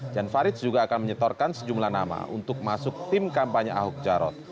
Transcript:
jan faridz juga akan menyetorkan sejumlah nama untuk masuk tim kampanye ahok jarot